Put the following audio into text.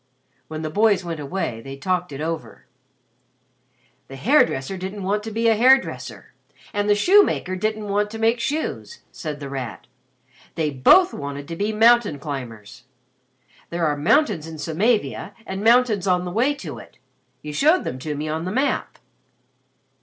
When the boys went away, they talked it over. "The hair dresser didn't want to be a hair dresser, and the shoemaker didn't want to make shoes," said The Rat. "They both wanted to be mountain climbers. There are mountains in Samavia and mountains on the way to it. You showed them to me on the map.